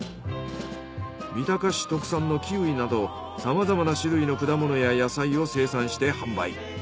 三鷹市特産のキウイなどさまざまな種類の果物や野菜を生産して販売。